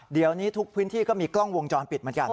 เดี๋ยวนี้ทุกพื้นที่ก็มีกล้องวงจรปิดเหมือนกัน